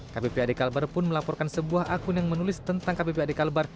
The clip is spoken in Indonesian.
kppad kalbar pun melaporkan sebuah akun yang menulis tentang kppad kalbar